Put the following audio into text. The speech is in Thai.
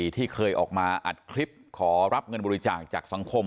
ที่เคยออกมาอัดคลิปขอรับเงินบริจาคจากสังคม